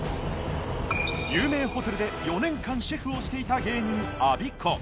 有名ホテルで４年間シェフをしていた芸人アビコ